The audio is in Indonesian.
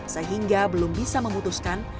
sehingga belum bisa memutuskan